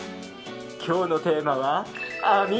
今日のテーマはあみ